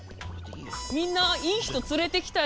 みんないい人連れてきたよ。